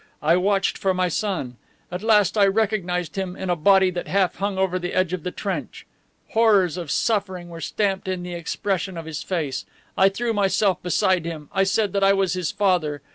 I watched for my son. At last I recognized him in a body that half hung over the edge of the trench. Horrors of suffering were stamped in the expression of his face. I threw myself beside him. I said that I was his father.